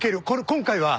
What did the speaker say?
今回は。